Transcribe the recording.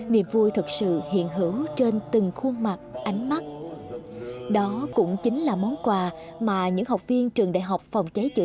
niềm vui thực sự hiện hữu trên từng khuôn mặt